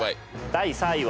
第３位は。